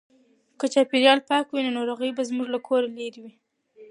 که چاپیریال پاک وي نو ناروغۍ به زموږ له کوره لیري وي.